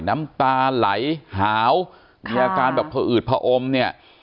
น้ำตาไหลหาวมีอาการผอืดพออมเนี่ย